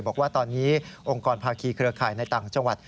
บอกว่าตอนนี้องค์กรภาคีเครือข่ายในต่างจังหวัด